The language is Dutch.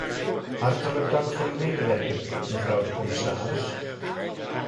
Hartelijk dank voor uw medewerking, mevrouw de commissaris.